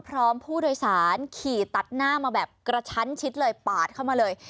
พร้อมผู้โดยสารขี่ตัดหน้ามาแบบกระชั้นชิดเลยปาดเข้ามาเลย